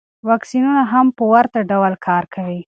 واکسینونه هم په ورته ډول کار کوي.